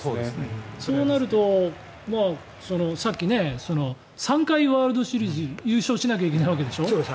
そうなると３回ワールドシリーズ優勝しなきゃいけないわけでしょ